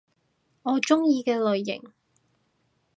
我鍾意嘅類型